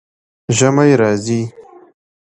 ژمی راځي